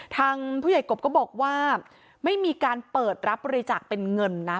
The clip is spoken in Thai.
ทางผู้ใหญ่กบก็บอกว่าไม่มีการเปิดรับบริจาคเป็นเงินนะ